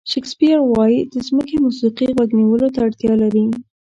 شکسپیر وایي د ځمکې موسیقي غوږ نیولو ته اړتیا لري.